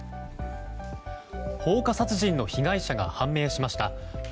放火殺人の被害者が判明しました。